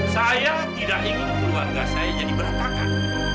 saya tidak ingin keluarga saya jadi berantakan